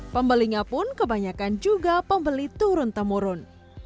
pembelinya pun kebanyakan juga pembeli turun temurun